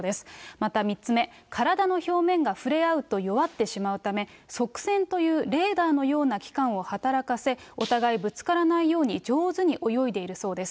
また３つ目、体の表面が触れ合うと弱ってしまうため、側線というレーダーのような器官を働かせ、お互いぶつからないように、上手に泳いでいるそうです。